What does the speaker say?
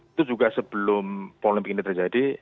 itu juga sebelum polemik ini terjadi